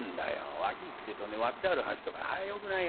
ワキ行くってえとね割ってある箸とかあれよくないよ。